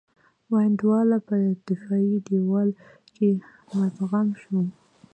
وینډولا په دفاعي دېوال کې مدغم شو.